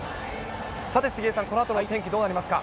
さて杉江さん、このあとの天気、どうなりますか。